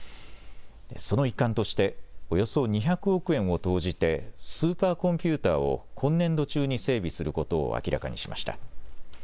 その一環としておよそ２００億円を投じてスーパーコンピューターを今年度中に整備することを明らかにしました。